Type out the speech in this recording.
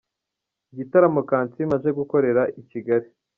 Igitaramo Kansiime aje gukorera i Kigali.